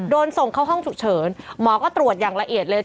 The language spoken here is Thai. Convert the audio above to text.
โดนส่งเข้าห้องฉุกเฉินหมอก็ตรวจอย่างละเอียดเลย